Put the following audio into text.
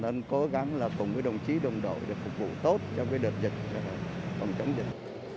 nên cố gắng là cùng với đồng chí đồng đội để phục vụ tốt cho cái đợt dịch phòng chống dịch